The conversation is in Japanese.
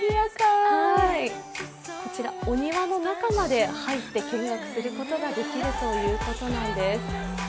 こちら、お庭の中まで入って見学ができるということなんです。